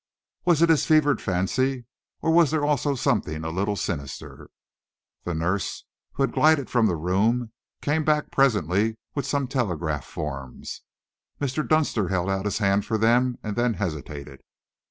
Was it his fevered fancy or was there also something a little sinister? The nurse, who had glided from the room, came back presently with some telegraph forms. Mr. Dunster held out his hand for them and then hesitated.